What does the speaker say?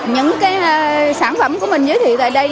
những cái sản phẩm của mình giới thiệu tại đây